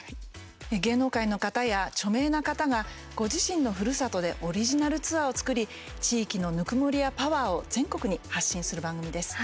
芸能界の方や著名な方がご自身のふるさとでオリジナルツアーを作り地域のぬくもりやパワーを全国に発信する番組です。